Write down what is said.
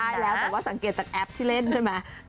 ใช่แล้วแต่ว่าสังเกตจากแอปที่เล่นใช่ไหม